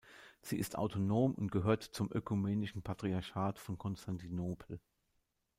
Sie ist autonom und gehört zum Ökumenischen Patriarchat von Konstantinopel.